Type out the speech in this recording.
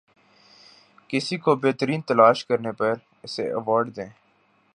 کسی کو بہترین تلاش کرنے پر اسے ایوارڈ دیں